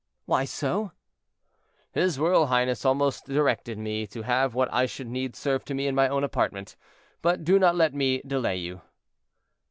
"Why so?" "His royal highness almost directed me to have what I should need served to me in my own apartment; but do not let me delay you."